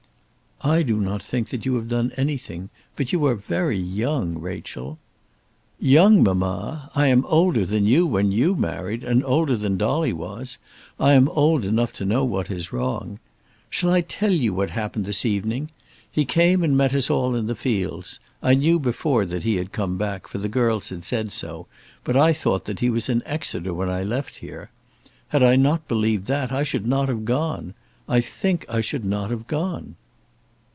"I do not think that you have done anything; but you are very young, Rachel." "Young, mamma! I am older than you were when you married, and older than Dolly was. I am old enough to know what is wrong. Shall I tell you what happened this evening? He came and met us all in the fields. I knew before that he had come back, for the girls had said so, but I thought that he was in Exeter when I left here. Had I not believed that, I should not have gone. I think I should not have gone."